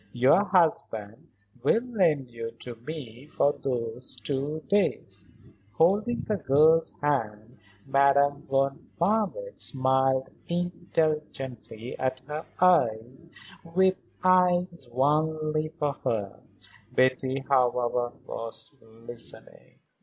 Your husband will lend you to me for those two days." Holding the girl's hand Madame von Marwitz smiled indulgently at her, with eyes only for her. Betty, however, was listening.